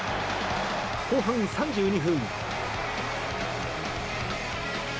後半３２分。